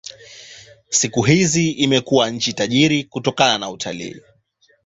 Siku hizi imekuwa nchi tajiri kutokana na utalii.